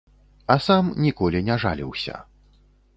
А сам ніколі не жаліўся.